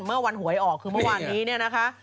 เมื่อวันหวยออกคือเมื่อวานนี้เนี่ยนะคะ